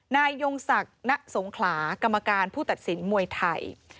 ยงศักดิ์ณสงขลากรรมการผู้ตัดสินมวยไทย